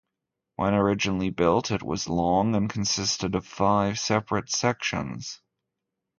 When originally built, it was long and consisted of five separate sections.